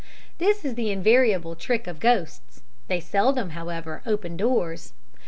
This is the invariable trick of ghosts; they seldom, however, open doors. Mrs.